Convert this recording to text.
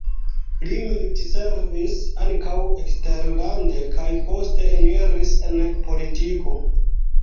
Li militservis ankaŭ eksterlande kaj poste eniris en politiko.